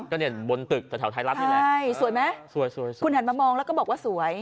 ก็เนี่ยบนตึกแถวไทยรัฐนี่แหละใช่สวยไหมสวยสวยคุณหันมามองแล้วก็บอกว่าสวย